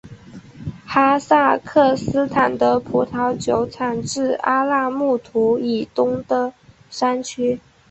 哈萨克斯坦的葡萄酒产自阿拉木图以东的山区。